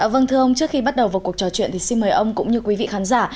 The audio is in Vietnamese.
vâng thưa ông trước khi bắt đầu vào cuộc trò chuyện thì xin mời ông cũng như quý vị khán giả